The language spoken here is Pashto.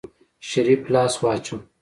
شريف لاس واچوه.